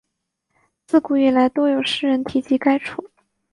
自古以来多有诗人提及该处。